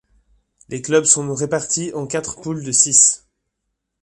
Les clubs sont répartis en quatre poules de six.